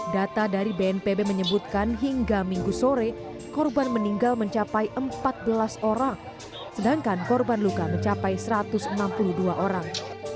data dari bnpb menyebutkan hingga minggu sore korban meninggal mencapai empat belas orang sedangkan korban luka mencapai satu ratus enam puluh dua orang